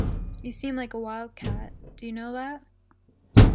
You seem a wild cat, do you know that?